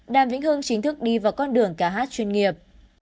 đàm vĩnh hưng chính thức đi vào con đường ca hát chuyên nghiệp